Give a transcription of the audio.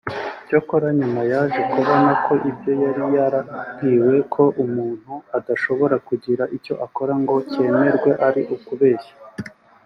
Cyakora nyuma yaje kubona ko ibyo yari yarabwiwe ko Umuhutu adashobora kugira icyo akora ngo cyemerwe ari ukubeshya